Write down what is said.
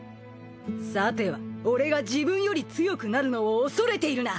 さては俺が自分より強くなるのを恐れているな。